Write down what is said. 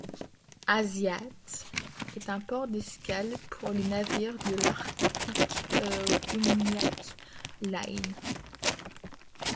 Aasiaat est un port d'escale pour les navires de l'Arctic Umiaq Line.